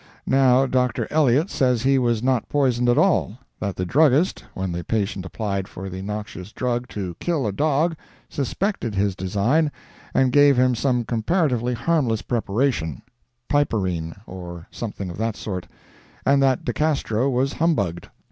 Now, Dr. Elliott says he was not poisoned at all; that the druggist, when the patient applied for the noxious drug, "to kill a dog," suspected his design, and gave him some comparatively harmless preparation—piperine, or something of that sort—and that De Castro was humbugged.